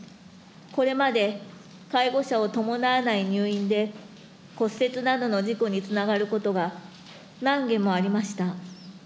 これまで介護者を伴わない入院で、骨折などの事故につながることが何件もありました。